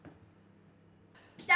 来た？